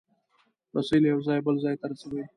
رسۍ له یو ځایه بل ځای ته رسوي.